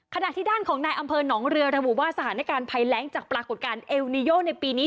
ขณะที่ด้านของนายอำเภอหนองเรือระบุว่าสถานการณ์ภัยแรงจากปรากฏการณ์เอลนิโยในปีนี้